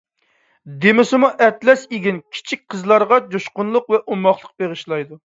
دېمىسىمۇ، ئەتلەس ئېگىن كىچىك قىزلارغا جۇشقۇنلۇق ۋە ئوماقلىق بېغىشلايدۇ.